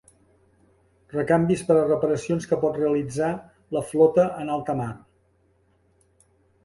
Recanvis per a reparacions que pot realitzar la flota en alta mar.